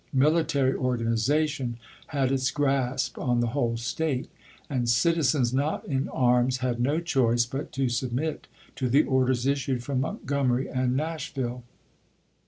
Military organization had its grasp on the whole State, and citizens not in arms had no choice but to submit to the orders issued from Montgomery and Nashville.